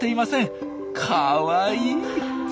かわいい！